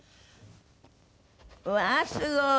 うわーすごい。